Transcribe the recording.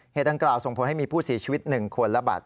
ดังกล่าวส่งผลให้มีผู้เสียชีวิต๑คนละบัตร